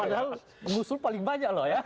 padahal pengusul paling banyak loh ya